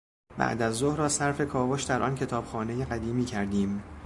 بعد از ظهر را صرف کاوش در آن کتابخانهی قدیمی کردیم.